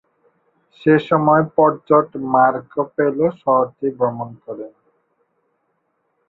সেসময় পর্যটক Marco Polo শহরটি ভ্রমণ করেন।